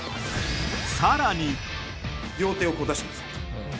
両手を出してください。